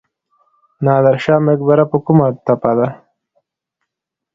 نادر شاه مقبره په کومه تپه ده؟